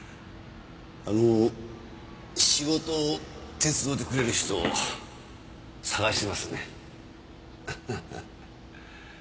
あの仕事を手伝うてくれる人を探してますねん。